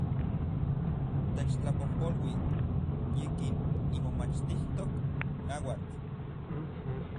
Techtlapojpolui, yikin nimomachtijtok nauatl